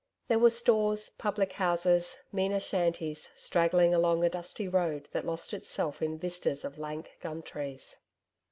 There were stores, public houses, meaner shanties straggling along a dusty road that lost itself in vistas of lank gum trees.